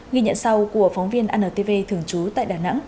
ghi nhận sau của phóng viên antv thường trú tại đà nẵng